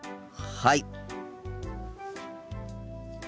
はい。